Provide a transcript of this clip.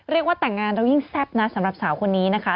เรียกว่าแต่งงานเรายิ่งแซ่บนะสำหรับสาวคนนี้นะคะ